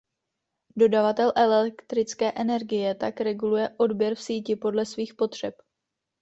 Dodavatel elektrické energie tak reguluje odběr v síti podle svých potřeb.